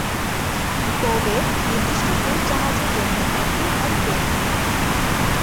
Kobe নির্দিষ্ট cruise জাহাজের জন্য একটি হোম পোর্ট।